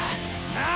なあ！